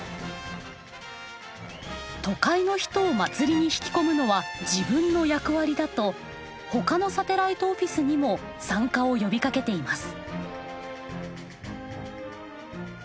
都会の人を祭りに引き込むのは自分の役割だとほかのサテライトオフィスにも参加を呼びかけています。